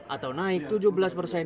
atau naik tujuh belas persen